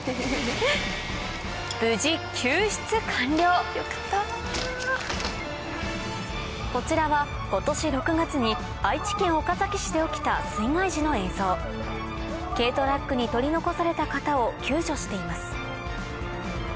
無事こちらは今年６月に愛知県岡崎市で起きた水害時の映像軽トラックに取り残された方を救助しています